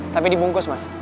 tapi dibungkus mas